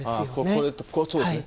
これそうですね。